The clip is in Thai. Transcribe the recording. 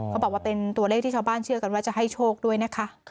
เขาบอกว่าเป็นตัวเลขที่ชาวบ้านเชื่อกันว่าจะให้โชคด้วยนะคะ